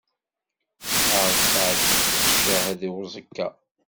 Irṣa-k d ccahed i uẓekka.